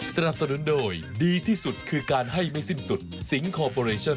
สนับสนุนโดยดีที่สุดคือการให้ไม่สิ้นสุดสิงคอร์ปอเรชั่น